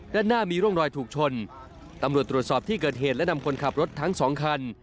ด้านหน้ามีร่องรอยถูกชนตำรวจตรวจสอบที่เกิดเหตุและนำคนขับรถทั้งสองคัน